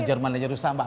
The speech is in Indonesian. jerman aja rusak mbak